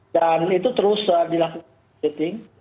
dan itu terus dilakukan screening